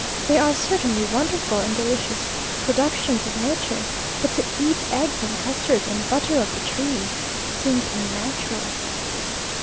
They are certainly wonderful and delicious productions of nature; but to eat eggs and custards and butter off the trees, seems unnatural.